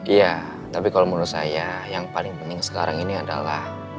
iya tapi kalau menurut saya yang paling penting sekarang ini adalah